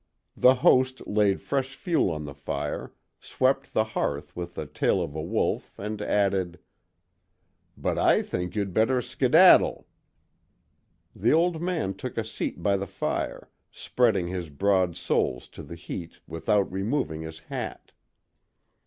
The host laid fresh fuel on the fire, swept the hearth with the tail of a wolf, and added: "But I think you'd better skedaddle." The old man took a seat by the fire, spreading his broad soles to the heat without removing his hat.